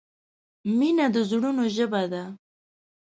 مینه د زړونو ژبه ده.